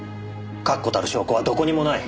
確固たる証拠はどこにもない。